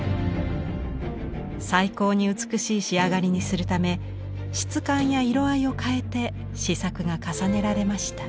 最高に美しい仕上がりにするため質感や色合いを変えて試作が重ねられました。